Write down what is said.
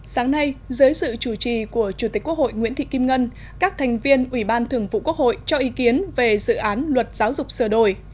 sáng nay dưới sự chủ trì của chủ tịch quốc hội nguyễn thị kim ngân các thành viên ủy ban thường vụ quốc hội cho ý kiến về dự án luật giáo dục sửa đổi